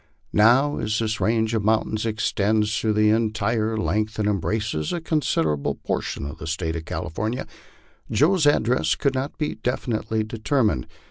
Xow as this range of mountains extends through the entire length and 256 M? LIFE ON THE PLAINS. embraces a considerable portion of the State of California, Joe's address could not be definitely determined.